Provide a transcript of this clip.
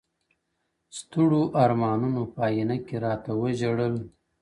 ستـړو ارمانـونو په آئينـه كي راتـه وژړل،